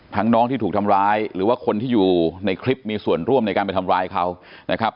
น้องที่ถูกทำร้ายหรือว่าคนที่อยู่ในคลิปมีส่วนร่วมในการไปทำร้ายเขานะครับ